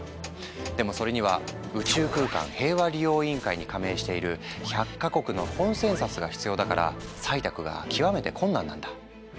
でもそれには宇宙空間平和利用委員会に加盟している１００か国のコンセンサスが必要だから採択が極めて困難なんだ。